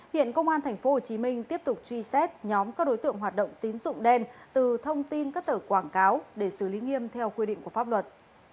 hiện công an tp hcm tiếp tục truy xét nhóm các đối tượng hoạt động tín dụng đen từ thông tin các tờ quảng cáo để xử lý nghiêm theo quy định của pháp luật